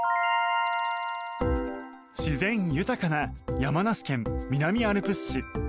自然豊かな山梨県南アルプス市。